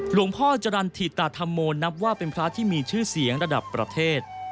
หลวงพ่อจรรย์ถิตาธรรมโมนับว่าเป็นพระที่มีชื่อเสียงระดับประเทศ